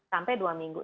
sampai dua minggu